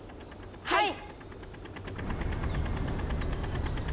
はい！